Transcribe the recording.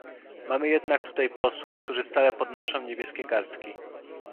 Mamy jednak tutaj posłów, którzy stale podnoszą niebieskie kartki